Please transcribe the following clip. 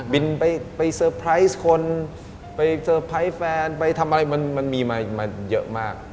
บินไปเซอร์ไพรส์คนไปเซอร์ไพรส์แฟนไปทำอะไรมันมีมาเยอะมาก